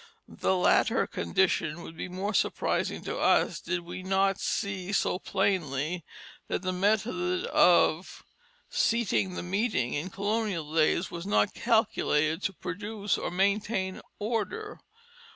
The latter condition would be more surprising to us did we not see so plainly that the method of "seating the meeting" in colonial days was not calculated to produce or maintain order.